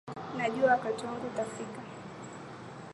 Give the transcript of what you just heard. Najua wakati wangu utafika.